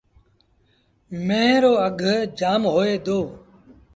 ميݩهن رو اگھ جآم هوئي دو۔